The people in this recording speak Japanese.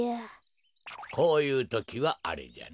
こういうときはあれじゃな。